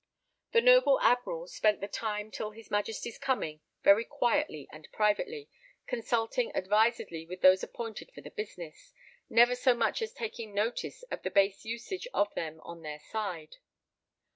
The noble Admiral spent the time till his Majesty's coming very quietly and privately, consulting advisedly with those appointed for the business, never so much as taking notice of the base usage of them on their side.